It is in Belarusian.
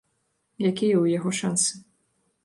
Якія ў яго шансы?